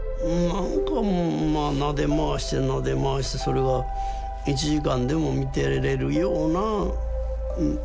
なんかもうまあなで回してなで回してそれが１時間でも見てれるような魅力があるんですよね。